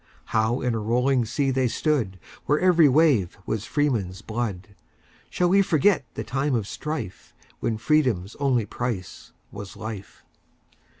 How in a rolling sea they stood, Where every wave was freemen's blood,—Shall we forget the time of strife, When freedom's only price was life?